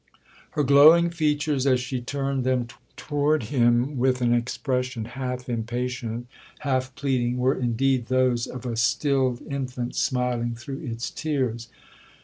'Her glowing features, as she turned them toward him, with an expression half impatient, half pleading, were indeed those 'of a stilled infant smiling through its tears.'